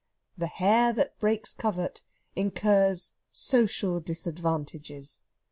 The hare that breaks covert incurs social disadvantages.